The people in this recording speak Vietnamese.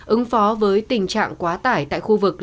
ứng phó với tình trạng quá tải tại khu vực lãnh đạo